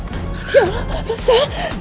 ya allah rosa